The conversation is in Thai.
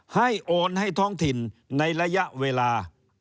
โอนให้ท้องถิ่นในระยะเวลา